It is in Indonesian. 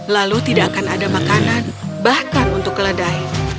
lalu tidak akan ada makanan bahkan untuk keledai